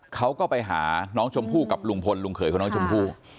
เขาก็ไปหาน้องชมพู่กับลุงพลลุงเขยของน้องชมพู่